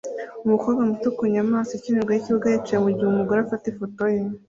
Umukobwa muto ku nyamaswa ikinirwa yikibuga yicaye mugihe umugore afata ifoto ye